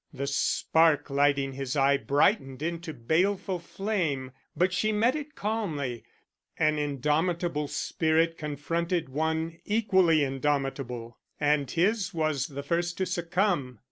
The spark lighting his eye brightened into baleful flame, but she met it calmly. An indomitable spirit confronted one equally indomitable, and his was the first to succumb.